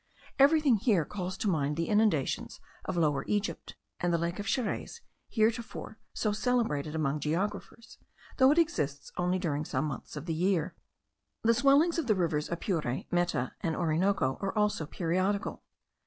Everything here calls to mind the inundations of Lower Egypt, and the lake of Xarayes, heretofore so celebrated among geographers, though it exists only during some months of the year. The swellings of the rivers Apure, Meta, and Orinoco, are also periodical.